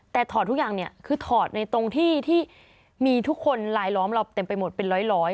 แต่ถอดทุกอย่างเนี่ยคือถอดในตรงที่ที่มีทุกคนลายล้อมเราเต็มไปหมดเป็นร้อย